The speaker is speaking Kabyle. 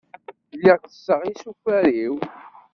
Lliɣ tesseɣ isufar-iw.